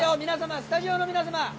スタジオの皆様。